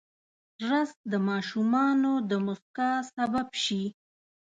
رس د ماشوم د موسکا سبب شي